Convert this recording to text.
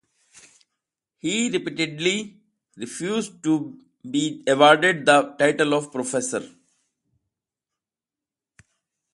He repeatedly refused to be awarded the title of "Professor".